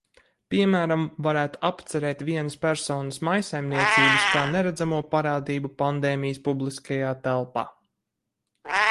Piemēram, varētu apcerēt vienas personas mājsaimniecības kā neredzamo parādību pandēmijas publiskajā telpā.